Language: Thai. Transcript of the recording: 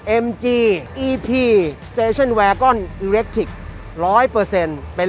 เอ็มจีอีพีสเตชันแวรกอลอีเลคทิคร้อยเปอร์เซนเป็น